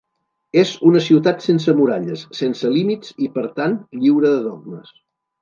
És una ciutat sense muralles, sense límits i per tant lliure de dogmes.